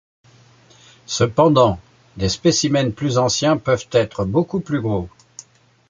Cependant, des spécimens plus anciens peuvent être beaucoup plus gros.